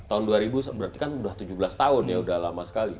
tahun dua ribu berarti kan sudah tujuh belas tahun ya udah lama sekali